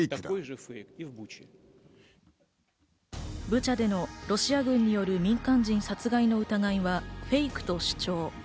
ブチャでのロシア軍による民間人殺害の疑いはフェイクと主張。